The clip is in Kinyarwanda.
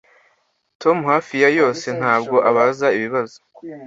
Tom hafi ya yose ntabwo abaza ibibazo